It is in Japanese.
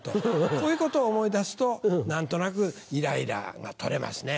こういうことを思い出すと何となくイライラが取れますね。